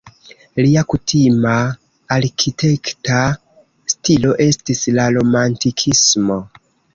Lia kutima arkitekta stilo estis la romantikismo.